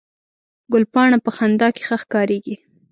ګلپاڼه په خندا کې ښه ښکارېږي